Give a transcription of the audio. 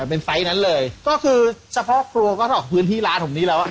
เป็นไฟล์นั้นเลยก็คือเฉพาะครัวก็ถอกพื้นที่ร้านผมนี้แล้ว